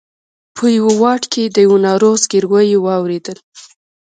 په یوه واټ کې د یوه ناروغ زګېروی یې واورېدل.